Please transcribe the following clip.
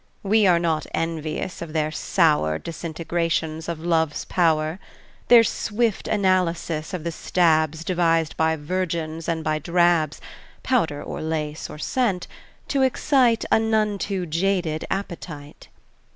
We are not envious of their sour Disintegrations of Love's power, Their swift analysis of the stabs Devised by virgins and by drabs (Powder or lace or scent) to excite A none too jaded appetite.